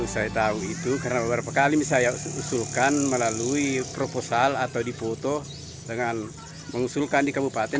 saya tahu itu karena beberapa kali saya usulkan melalui proposal atau dipoto dengan mengusulkan di kabupaten